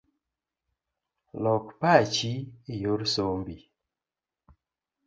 Lok pachi eyor sombi